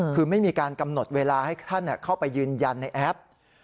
คือไม่มีการกำหนดเวลาให้ท่านเข้าไปยืนยันในแอป